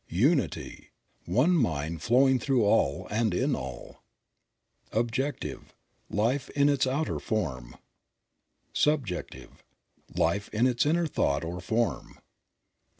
Unity. — One Mind flowing through all, and in all. Objective. — Life in its outer form. Subjective. — Life in its inner thought or form.